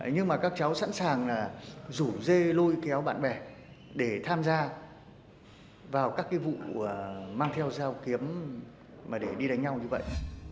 nhưng mà các cháu sẵn sàng rủ dê lôi kéo bạn bè để tham gia vào các vụ mang theo dao kiếm để đi đánh nhau như vậy